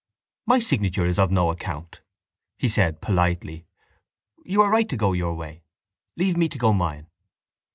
—My signature is of no account, he said politely. You are right to go your way. Leave me to go mine.